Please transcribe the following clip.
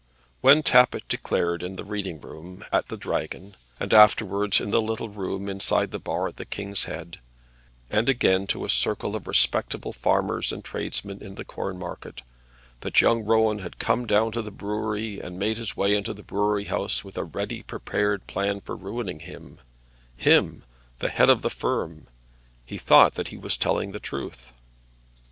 When Tappitt declared in the reading room at the Dragon, and afterwards in the little room inside the bar at the King's Head, and again to a circle of respectable farmers and tradesmen in the Corn Market, that young Rowan had come down to the brewery and made his way into the brewery house with a ready prepared plan for ruining him him, the head of the firm, he thought that he was telling the truth.